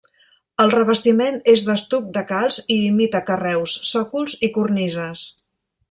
El revestiment és d'estuc de calç i imita carreus, sòcols i cornises.